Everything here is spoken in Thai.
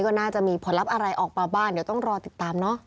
ก็น่าจะมีผลลัพธ์อะไรออกมาบ้างเดี๋ยวต้องรอติดตามเนอะ